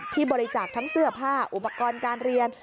บริจาคทั้งเสื้อผ้าอุปกรณ์การเรียน